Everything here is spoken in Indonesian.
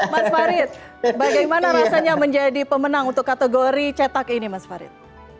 mas farid bagaimana rasanya menjadi pemenang untuk kategori cetak ini mas farid